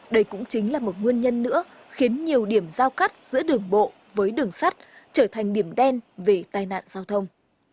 đây cũng chính là một nguyên nhân nữa khiến nhiều điểm giao cắt giữa đường bộ với đường sắt trở thành điểm đen về tai nạn giao thông